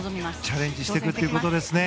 チャレンジしているということですね。